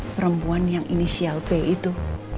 perempuan yang inisial p itu